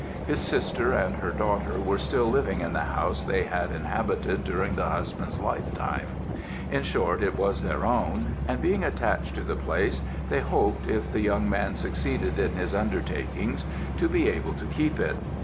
His sister and her daughter were still living in the house they had inhabited during the husband's lifetime; in short, it was their own; and being attached to the place they hoped, if the young man succeeded in his undertakings, to be able to keep it.